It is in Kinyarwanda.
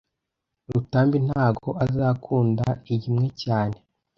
Rutambi ntago azakunda iyi imwe cyane